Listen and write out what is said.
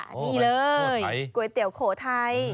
นี่เลยมีเลยก๋วยเตี๋ยวโโฆธัย